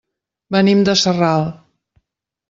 Venim de Sarral.